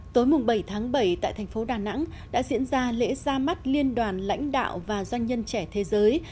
tối bảy tháng bảy tại thành phố đà nẵng đã diễn ra lễ ra mắt liên đoàn lãnh đạo và doanh nhân trẻ thế giới